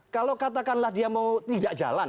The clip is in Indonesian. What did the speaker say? kalau katakanlah dia mau tidak jalan